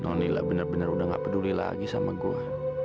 non lila bener bener udah gak peduli lagi sama gua